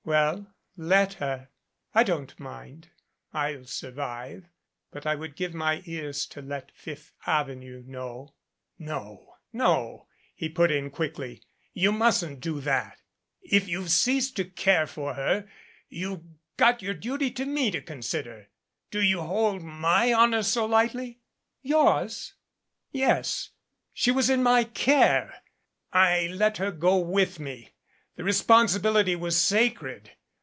Well let her. I don't mind. I'll sur vive. But I would give my ears to let Fifth Avenue know " "No no," he put in quickly, "you mustn't do that If you've ceased to care for her, you've got your duty to me to consider. Do you hold my honor so lightly " "Yours?" "Yes. She was in my care. I let her go with me. The responsibility was sacred.